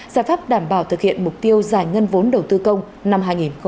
giải pháp đảm bảo thực hiện mục tiêu giải ngân vốn đầu tư công năm hai nghìn hai mươi